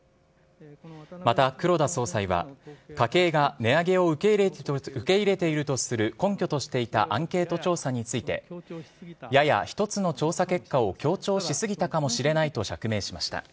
また黒田総裁は、家計が値上げを受け入れているとする根拠としていたアンケート調査について、やや一つの調査結果を強調しすぎたかもしれないと釈明しました。